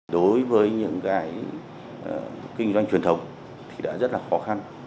đối với những cái kinh doanh truyền thống thì đã rất là khó khăn